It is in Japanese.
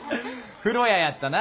風呂屋やったな。